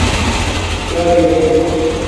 چاݵے لے